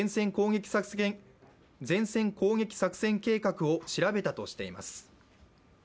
前線攻撃作戦計画を調べたとしています。